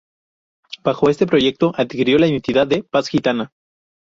Bajo este proyecto adquirió la identidad de "Paz Gitana".